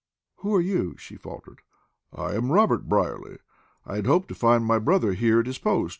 "Who are you?" she faltered. "I am Robert Brierly. I had hoped to find my brother here at his post.